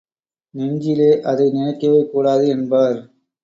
நெஞ்சிலே அதை நினைக்கவே கூடாது என்பார்.